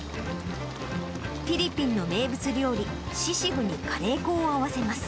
フィリピンの名物料理、シシグにカレー粉を合わせます。